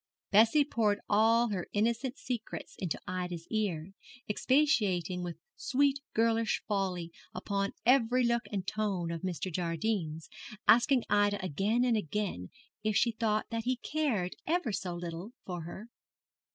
Bessie poured all her innocent secrets into Ida's ear, expatiating with sweet girlish folly upon every look and tone of Mr. Jardine's, asking Ida again and again if she thought that he cared, ever so little, for her.